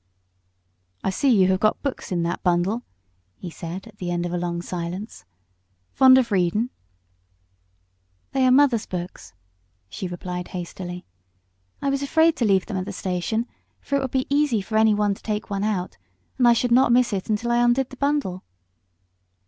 "I see you have got books in that bundle," he said at the end of a long silence. "Fond of readin'?" "They are mother's books," she replied, hastily. "I was afraid to leave them at the station, for it would be easy for anyone to take one out, and I should not miss it until I undid the bundle."